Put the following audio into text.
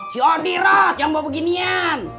si odirot yang mau beginian